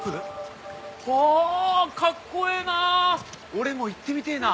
俺も言ってみてえな。